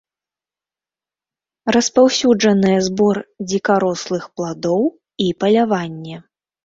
Распаўсюджаныя збор дзікарослых пладоў і паляванне.